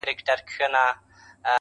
o هغه غر، هغه ئې کربوړی.